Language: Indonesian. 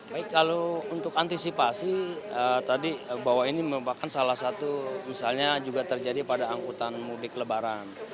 baik kalau untuk antisipasi tadi bahwa ini merupakan salah satu misalnya juga terjadi pada angkutan mudik lebaran